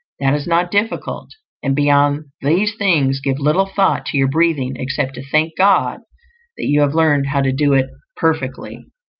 That is not difficult; and beyond these things give little thought to your breathing except to thank God that you have learned how to do it perfectly.